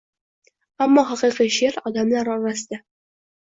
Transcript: ammo haqiqiy she’r – odamlar orasida.